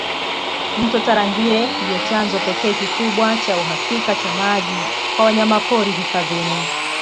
Mto Tarangire ndio chanzo pekee kikubwa na cha uhakika cha maji kwa wanyamapori hifadhini